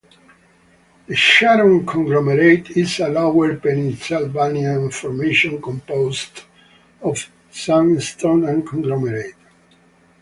The Sharon Conglomerate is a Lower Pennsylvanian formation composed of sandstone and conglomerate.